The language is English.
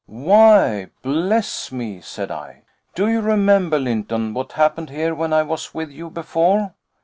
"Why bless me!" said I. "Do you remember, Lynton, what happened here when I was with you before?